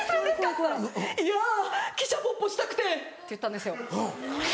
って言ったら「いや汽車ポッポしたくて」って言ったんですよ。